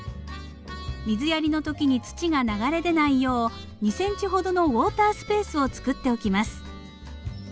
水やりの時に土が流れ出ないよう２ｃｍほどのウォータースペースをつくっておきます。